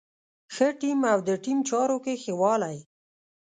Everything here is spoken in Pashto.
ښه ټيم او د ټيم چارو کې ښه والی.